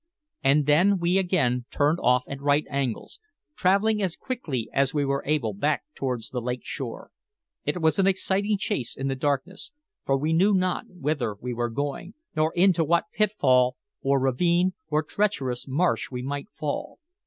And then we again turned off at right angles, traveling as quickly as we were able back towards the lake shore. It was an exciting chase in the darkness, for we knew not whither we were going, nor into what pitfall or ravine or treacherous marsh we might fall.